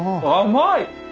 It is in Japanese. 甘い？